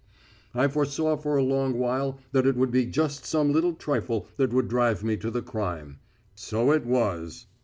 I foresaw for a long while that it would be just some little trifle that would drive me to the crime. So it was.